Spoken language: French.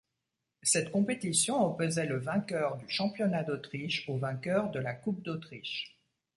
Cette compétition opposait le vainqueur du championnat d'Autriche au vainqueur de la coupe d'Autriche.